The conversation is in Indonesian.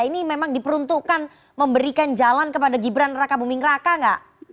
ini memang diperuntukkan memberikan jalan kepada gibran raka buming raka nggak